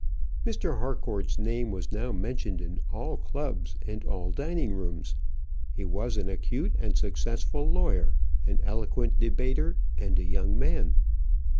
Mr. Harcourt's name was now mentioned in all clubs and all dining rooms. He was an acute and successful lawyer, an eloquent debater, and a young man.